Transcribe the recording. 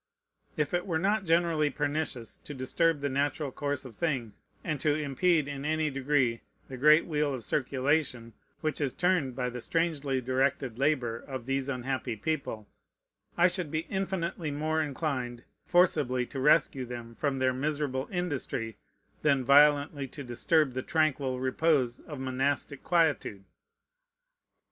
If it were not generally pernicious to disturb the natural course of things, and to impede in any degree the great wheel of circulation which is turned by the strangely directed labor of these unhappy people, I should be infinitely more inclined forcibly to rescue them from their miserable industry than violently to disturb the tranquil repose of monastic quietude.